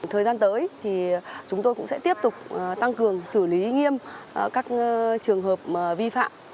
thời gian tới thì chúng tôi cũng sẽ tiếp tục tăng cường xử lý nghiêm các trường hợp vi phạm